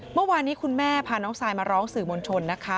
เมื่อวานนี้คุณแม่พาน้องทรายมาร้องสื่อมวลชนนะคะ